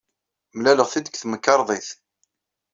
Mlaleɣ-t-id deg temkarḍit.